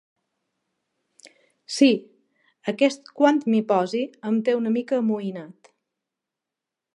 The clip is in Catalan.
Sí, aquest "quan m'hi posi" em té una mica amoïnat.